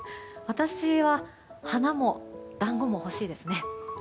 私は花も団子も欲しいですね。